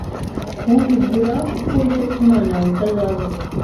kuwuhigura kuko Uwiteka Imana yawe itazabura